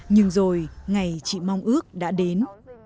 nhưng rồi ngày chị mong ước đã đến